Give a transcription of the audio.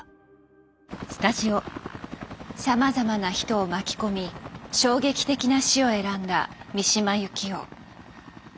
さまざまな人を巻き込み衝撃的な死を選んだ三島由紀夫。